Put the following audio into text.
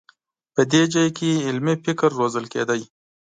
په دې ځای کې علمي فکر روزل کېده.